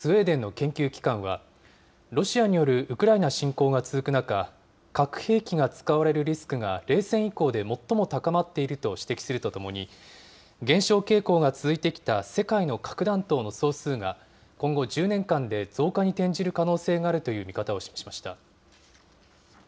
世界の軍事情勢を分析するスウェーデンの研究機関は、ロシアによるウクライナ侵攻が続く中、核兵器が使われるリスクが、冷戦以降で最も高まっていると指摘するとともに、減少傾向が続いてきた世界の核弾頭の総数が、今後１０年間で増加に転じる可能性があるという見方を示しました。